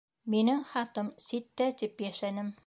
Минең хатам ситтә, тип йәшәнем.